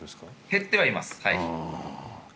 減ってはいます。